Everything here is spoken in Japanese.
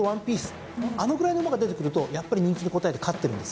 あのぐらいの馬が出てくるとやっぱり人気に応えて勝ってるんですよね。